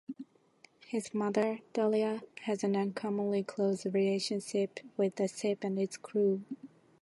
His mother, Dolia, has an uncommonly close relationship with the ship and its crew.